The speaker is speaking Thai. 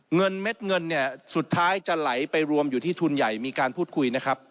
เม็ดเงินเนี่ยสุดท้ายจะไหลไปรวมอยู่ที่ทุนใหญ่มีการพูดคุยนะครับ